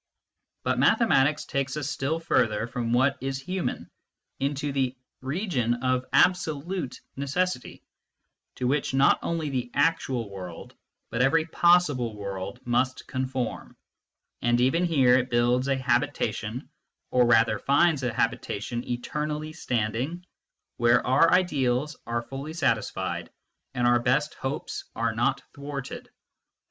But mathe matics takes us still further from what is human, into the region of absolute necessity, to which not only the actual world, but every possible world, must conform ; and even here it builds a habitation, or rather finds a habita tion eternally standing, where our ideals are fully satisfied and our best hopes are not thwarted.